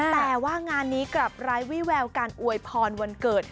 แต่ว่างานนี้กลับไร้วิแววการอวยพรวันเกิด